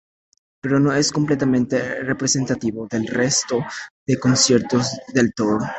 Pero no es completamente representativo del resto de conciertos del tour.